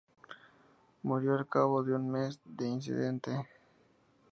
Murió al cabo de un mes del incidente.